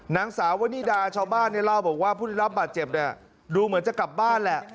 นางสาววนิดาชาวบ้านเนี่ยเล่าบอกว่าผู้ได้รับบาดเจ็บเนี่ยดูเหมือนจะกลับบ้านแหละ